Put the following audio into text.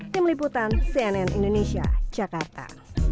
di meliputan cnn indonesia jakarta